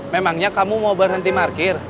memangnya kamu mau berhenti parkir